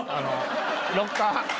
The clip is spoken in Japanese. ロッカー。